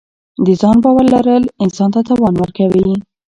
د ځان باور لرل انسان ته توان ورکوي.